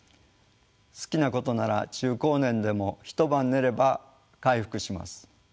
好きなことなら中高年でも一晩寝れば回復します。